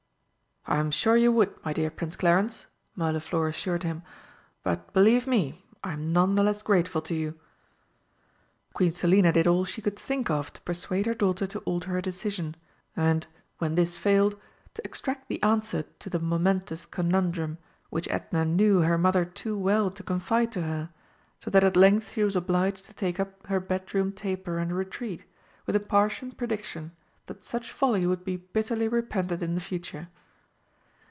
"I am sure you would, my dear Prince Clarence!" Mirliflor assured him; "but, believe me, I am none the less grateful to you." Queen Selina did all she could think of to persuade her daughter to alter her decision, and, when this failed, to extract the answer to the momentous conundrum, which Edna knew her mother too well to confide to her, so that at length she was obliged to take up her bedroom taper and retreat, with a Parthian prediction that such folly would be bitterly repented in the future.